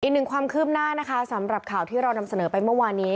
อีกหนึ่งความคืบหน้านะคะสำหรับข่าวที่เรานำเสนอไปเมื่อวานนี้